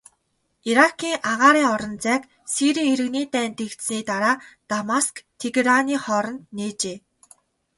Иракийн агаарын орон зайг Сирийн иргэний дайн дэгдсэний дараа Дамаск-Тегераны хооронд нээжээ.